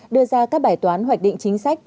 đưa ra các bài toán hoạch định chính sách